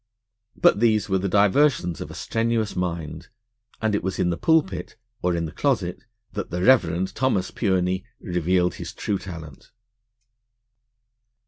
But these were the diversions of a strenuous mind, and it was in the pulpit or in the closet that the Reverend Thomas Pureney revealed his true talent.